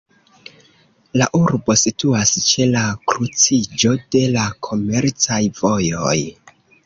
La urbo situas ĉe la kruciĝo de la komercaj vojoj.